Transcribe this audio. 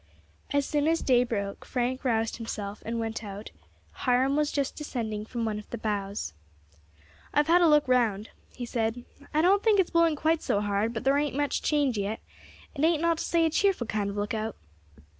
As soon as day broke Frank roused himself and went out; Hiram was just descending from one of the boughs. "I have had a look round," he said; "I don't think it's blowing quite so hard, but thar ain't much change yet. It ain't not to say a cheerful kind of lookout."